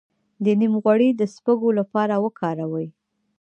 د نیم غوړي د سپږو لپاره وکاروئ